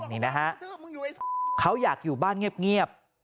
นี่นะฮะเขาอยากอยู่บ้านเงียบ